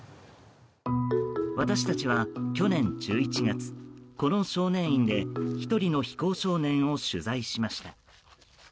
私たちは去年１１月この少年院で１人の非行少年を取材しました。